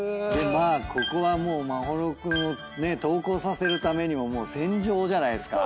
まあここはもう眞秀君を登校させるためにも戦場じゃないですか？